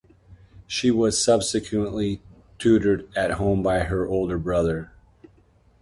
She was subsequently tutored at home by her older brother.